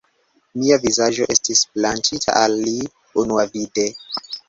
Mia vizaĝo estis plaĉinta al li unuavide.